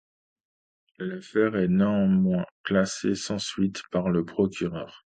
L'affaire est néanmoins classée sans suite par le procureur.